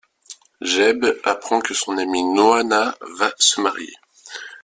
Jeab apprend que son amie Noi-Naa va se marier.